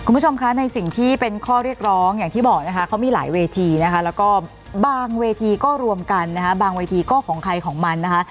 คุณผู้ชมคะในสิ่งที่เป็นข้อเรียกร้องอย่างที่บอกนะคะเขามีหลายเวทีนะคะแล้วก็บางเวทีก็รวมกันนะคะบางเวทีก็ของใครของมันนะคะ